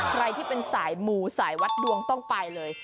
ใครที่เป็นสายหมู่สายวัดดวงต้องไปเลย